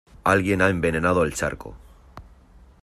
Alguien ha envenenado el charco.